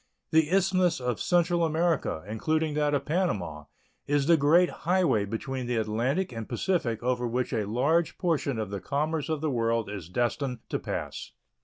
The isthmus of Central America, including that of Panama, is the great highway between the Atlantic and Pacific over which a large portion of the commerce of the world is destined to pass.